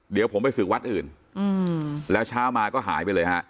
เดี๋ยวผมไปศึกวัดอื่นแล้วเช้ามาก็หายไปเลยฮะ